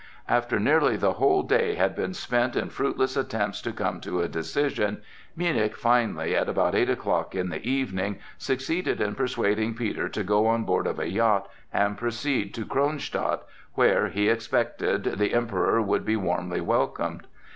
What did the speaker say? After nearly the whole day had been spent in fruitless attempts to come to a decision, Münnich finally, at about eight o'clock in the evening, succeeded in persuading Peter to go on board of a yacht and proceed to Kronstadt, where, he expected, the Emperor would be warmly welcomed.